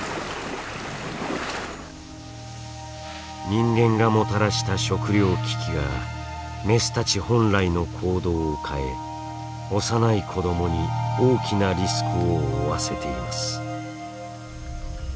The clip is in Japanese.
人間がもたらした食糧危機がメスたち本来の行動を変え幼い子どもに大きなリスクを負わせています。